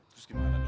terus gimana dong